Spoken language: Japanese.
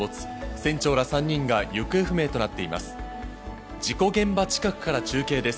船長ら３人が行方不明となっています。